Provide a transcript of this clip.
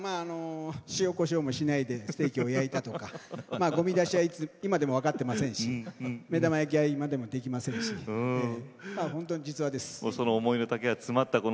塩、こしょうもしないでステーキを焼いたとかごみ出しは今も分かっていないし目玉焼きは今でもできませんし実話です。